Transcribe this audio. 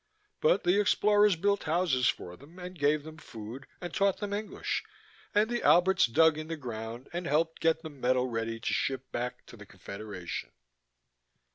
But the explorers built houses for them and gave them food and taught them English, and the Alberts dug in the ground and helped get the metal ready to ship back to the Confederation.